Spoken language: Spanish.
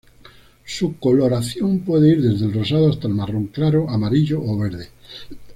Su coloración puede ir desde el rosado hasta el marrón claro, amarillo o verde.